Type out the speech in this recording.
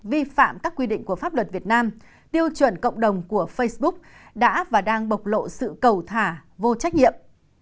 vi phạm các quy định của pháp luật việt nam tiêu chuẩn cộng đồng của facebook đã và đang bộc lộ sự cầu thả vô trách nhiệm